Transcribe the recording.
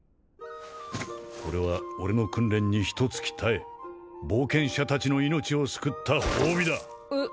これは俺の訓練にひと月耐え冒険者達の命を救った褒美だえっ